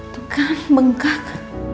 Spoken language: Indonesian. tuh kan bengkak